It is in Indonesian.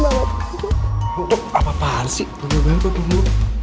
untuk apa apaan sih tunggu tunggu